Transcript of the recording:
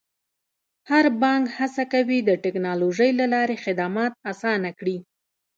هر بانک هڅه کوي د ټکنالوژۍ له لارې خدمات اسانه کړي.